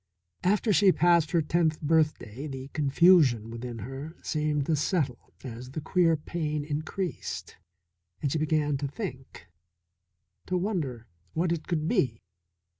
After she passed her tenth birthday the confusion within her seemed to settle as the queer pain increased, and she began to think, to wonder what it could be.